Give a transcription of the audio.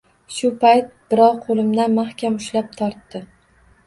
Shu payt birov qo‘limdan mahkam ushlab tortdi.